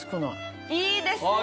いいですね！